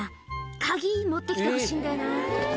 鍵、持ってきてほしいんだよな。